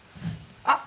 「あっ」。